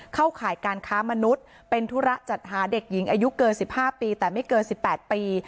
ข่ายการค้ามนุษย์เป็นธุระจัดหาเด็กหญิงอายุเกิน๑๕ปีแต่ไม่เกิน๑๘ปี